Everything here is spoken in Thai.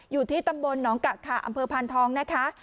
อยู่ที่ตำบลหนองกะขาอำเภอพานทองนะคะ